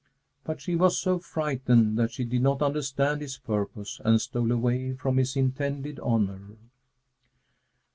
But she was so frightened that she did not understand his purpose, and stole away from his intended honor.